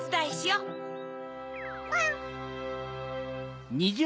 うん！